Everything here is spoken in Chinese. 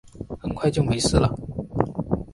很快就没事了